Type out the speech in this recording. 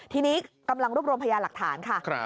ทีนี้กำลังรวบรวมพยาหลักฐานค่ะ